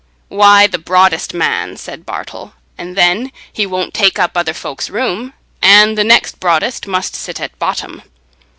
"Why, the broadest man," said Bartle; "and then he won't take up other folks' room; and the next broadest must sit at bottom."